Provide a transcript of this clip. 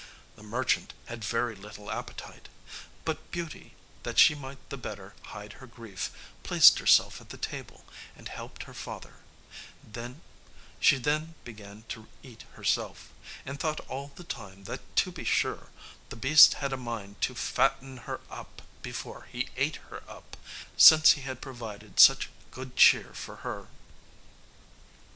The merchant had very little appetite; but Beauty, that she might the better hide her grief, placed herself at the table, and helped her father; she then began to eat herself, and thought all the time that, to be sure, the beast had a mind to fatten her before he ate her up, since he had provided such good cheer for her.